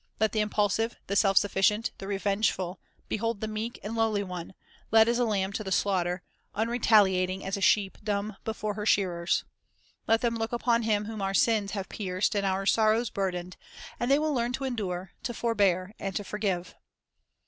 Let the impulsive, the self sufficient, the revengeful, behold the meek and lowly One, led as a lamb to the slaughter, unretali ating as a sheep dumb before her shearers. Let them look upon Him whom our sins have pierced and our sorrows burdened, and the}' will learn to endure, to forbear, and to forgive.